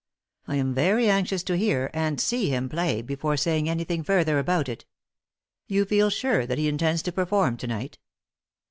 I am very anxious to hear and see him play before saying anything further about it. You feel sure that he intends to perform to night?"